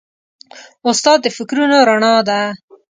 استاد د فکرونو رڼا ده.